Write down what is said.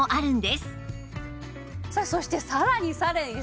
さあそしてさらにさらにですよ